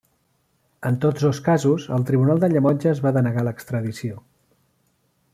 En tots dos casos el tribunal de Llemotges va denegar l'extradició.